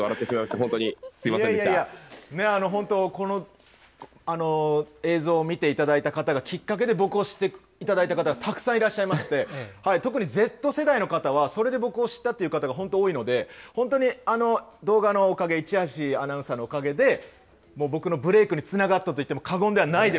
本当にすみませんでいやいやいや、本当、この映像を見ていただいた方がきっかけで僕を知っていただいた方、たくさんいらっしゃいまして、特にＺ世代の方は、それで僕を知ったという方が本当多いので、本当に動画のおかげ、一橋アナウンサーのおかげで、僕のブレークにつながったと言っても過言ではないので。